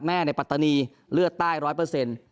แม่ในปรัฏณีเลือดใต้โรทเปอร์เซ็นต์